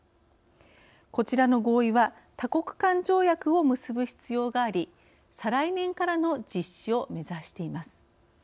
こちらの合意は多国間条約を結ぶ必要があり再来年からの実施を目指しています。